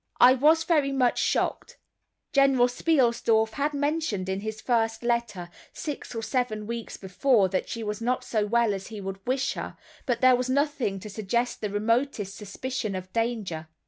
I was very much shocked. General Spielsdorf had mentioned in his first letter, six or seven weeks before, that she was not so well as he would wish her, but there was nothing to suggest the remotest suspicion of danger.